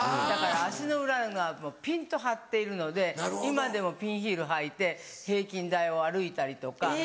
だから足の裏がピンと張っているので今でもピンヒール履いて平均台を歩いたりとか。